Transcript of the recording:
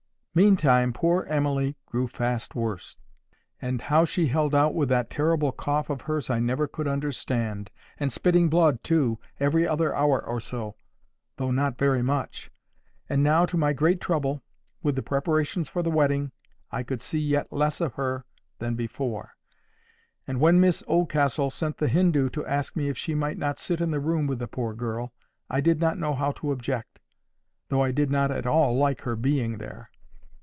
Meantime poor Emily grew fast worse, and how she held out with that terrible cough of hers I never could understand—and spitting blood, too, every other hour or so, though not very much. And now, to my great trouble, with the preparations for the wedding, I could see yet less of her than before; and when Miss Oldcastle sent the Hindoo to ask me if she might not sit in the room with the poor girl, I did not know how to object, though I did not at all like her being there.